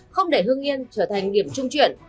không để hương yên trở thành nghiệp trung chuyển